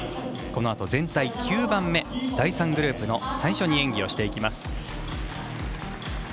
このあと、全体９番目第３グループの最初に演技をしていきます。